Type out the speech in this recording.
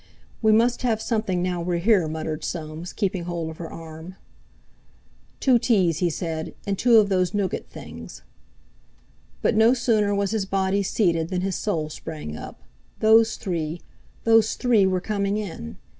"We must have something now we're here," muttered Soames, keeping hold of her arm. "Two teas," he said; "and two of those nougat things." But no sooner was his body seated than his soul sprang up. Those three—those three were coming in!